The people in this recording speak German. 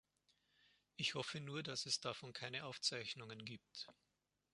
Ich hoffe nur, dass es davon keine Aufzeichnungen gibt.